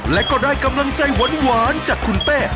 และก็ได้กำลังใจหวานจากคุณเต้